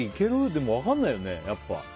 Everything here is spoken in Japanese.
でも分からないよね、やっぱ。